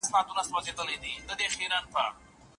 د کوچني مابينځ کي مي خپلي کيسې ولیکلې.